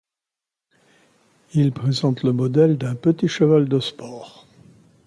Il présente le modèle d'un petit cheval de sport.